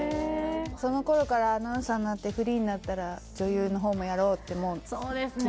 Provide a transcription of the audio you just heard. その頃からアナウンサーになってフリーになったら女優の方もやろうってもうそうですね